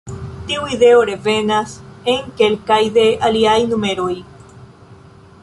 Tiu ideo revenas en kelkaj de iliaj numeroj.